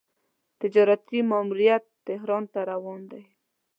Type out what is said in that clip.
تجارتي ماموریت تهران ته روان دی.